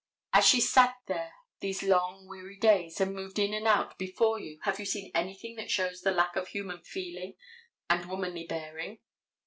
As she sat here these long, weary days and moved in and out before you have you seen anything that shows the lack of human feeling and womanly bearing.